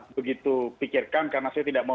begitu pikirkan karena saya tidak mau